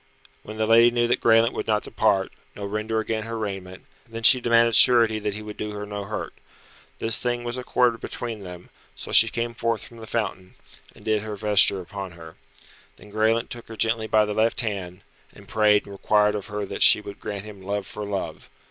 When the lady knew that Graelent would not depart, nor render again her raiment, then she demanded surety that he would do her no hurt. This thing was accorded between them, so she came forth from the fountain, and did her vesture upon her. Then Graelent took her gently by the left hand, and prayed and required of her that she would grant him love for love.